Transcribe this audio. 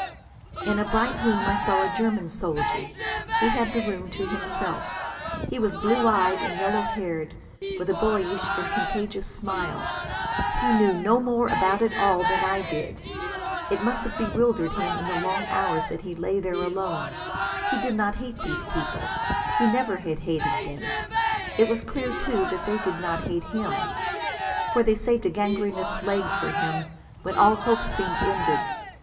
In a bright room I saw a German soldier. He had the room to himself. He was blue eyed and yellow haired, with a boyish and contagious smile. He knew no more about it all than I did. It must have bewildered him in the long hours that he lay there alone. He did not hate these people. He never had hated them. It was clear, too, that they did not hate him. For they had saved a gangrenous leg for him when all hope seemed ended.